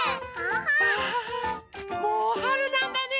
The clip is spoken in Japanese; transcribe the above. わあもうはるなんだね。